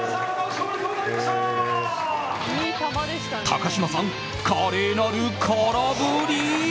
高嶋さん、華麗なる空振り！